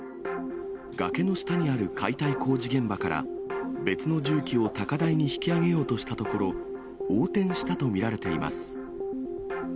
崖の下にある解体工事現場から、別の重機を高台に引き上げようとしたところ、横転したと見られています。